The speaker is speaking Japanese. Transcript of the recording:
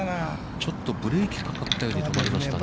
ちょっとブレーキかかったように止まりましたね。